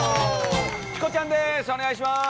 チコちゃんです！